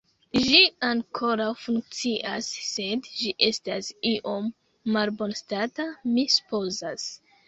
Ĝi ankoraŭ funkcias, sed ĝi estas iom malbonstata, mi supozas.